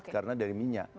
karena dari minyak